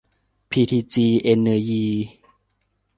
พีทีจี เอ็นเนอยี